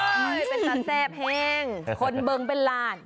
เป็นสัตว์แซ่บแห้งคนเบิ่งเป็นลาน